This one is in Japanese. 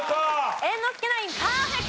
猿之助ナインパーフェクト。